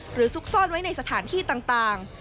ซุกซ่อนไว้ในสถานที่ต่าง